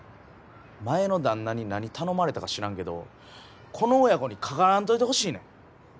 前の旦那に何頼まれたか知らんけどこの親子に関わらんといてほしいねん。